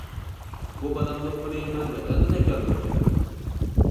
-بۇ بادام دوپپىنى مەن ۋەتەندىن ئەكەلدۈرگەن.